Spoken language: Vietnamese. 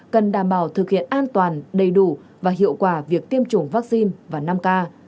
cần đảm bảo thực hiện an toàn đầy đủ và hiệu quả việc tiêm chủng vaccine và năm k